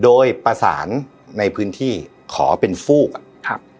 โดยปราศาสตร์ในพื้นที่ขอเป็นฟูก่อนครับ